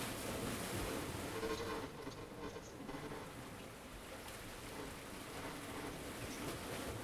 上分停车区是位于爱媛县四国中央市的松山自动车道之休息区。